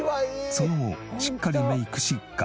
その後しっかりメイクし外出。